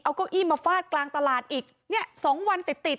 เอาเก้าอี้มาฟาดกลางตลาดอีก๒วันติด